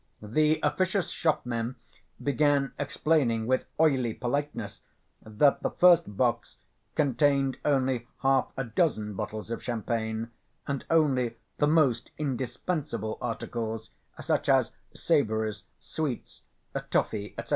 The officious shopmen began explaining with oily politeness that the first box contained only half a dozen bottles of champagne, and only "the most indispensable articles," such as savories, sweets, toffee, etc.